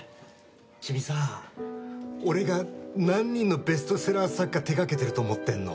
君さ俺が何人のベストセラー作家手掛けてると思ってんの？